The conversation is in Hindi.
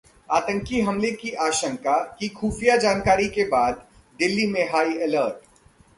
आतंकी हमले की आशंका की खुफिया जानकारी के बाद दिल्ली में हाई अलर्ट